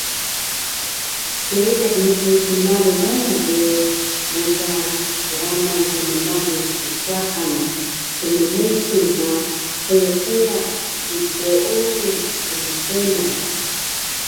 Seediq mpsmalu Gaya ge mosa kraman smmalu ssaan smmesung ma qyqeya ddooyun smseman